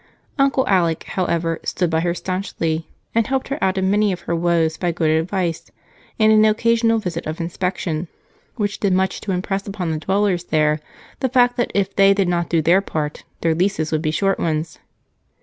Uncle Alec, however, stood by her staunchly and helped her out of many of her woes by good advice and an occasional visit of inspection, which did much to impress upon the dwellers there the fact that, if they did not do their part, their leases would be short ones.